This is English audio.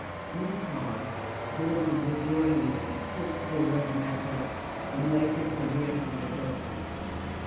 Meantime, those in the drawing room talked over the matter and waited to hear from the doctor.